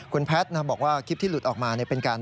คุณแพทย์บอกว่าคลิปที่หลุดออกมาเป็นการ